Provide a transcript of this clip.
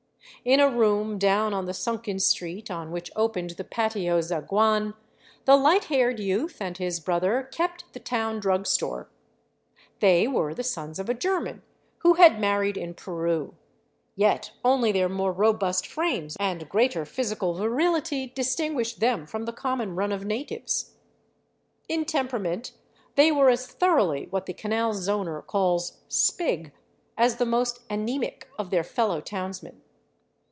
In a room down on the sunken street on which opened the patio zaguan, the light haired youth and his brother kept the town drugstore. They were the sons of a German who had married in Peru, yet only their more robust frames and greater physical virility distinguished them from the common run of natives; in temperament they were as thor oughly what the Canal Zoner calls " Spig " as the most enemic of their fellow townsmen.